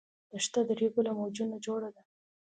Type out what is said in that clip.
دښته د ریګو له موجونو جوړه ده.